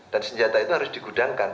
dan senjata itu harus digudangkan